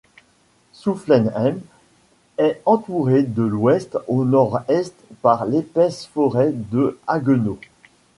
Soufflenheim est entourée de l'ouest au nord-est par l'épaisse forêt de Haguenau.